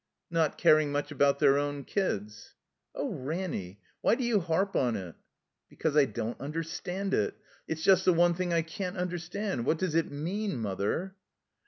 "Not caring much about their own kids." "Oh, Ranny, why do you 'arp on it?" "Because I don't understand it. It's just the one thing I can't understand. What does it mean, Mother?"